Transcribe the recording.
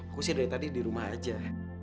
aku sih dari tadi di rumah aja